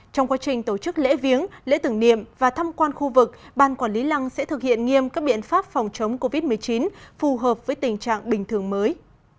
trong quá trình tổ chức lễ viếng lễ tưởng niệm và thăm quan khu vực ban quản lý lăng sẽ thực hiện nghiêm các biện pháp phòng chống covid một mươi chín phù hợp với tình trạng bình thường mới